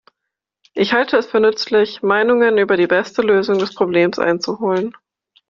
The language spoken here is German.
Ich halte es für nützlich, Meinungen über die beste Lösung des Problems einzuholen.